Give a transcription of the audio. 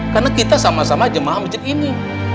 karena kita sama sama jemaah macam ini